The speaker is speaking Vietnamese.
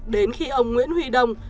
đến khi ông nguyễn huy đông